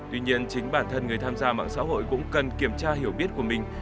tuy nhiên chính bản thân người tham gia mạng xã hội cũng cần kiểm tra hiểu biết của mình